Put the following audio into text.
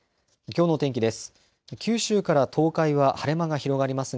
きょうの天気です。